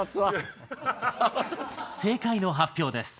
正解の発表です。